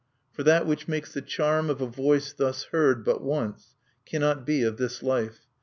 For that which makes the charm of a voice thus heard but once cannot be of this life.